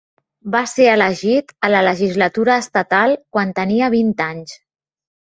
Va ser elegit a la legislatura estatal quan tenia vint anys.